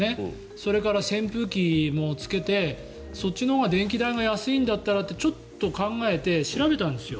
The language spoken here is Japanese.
それから扇風機もつけてそっちのほうが電気代安いならとちょっと考えて調べたんです。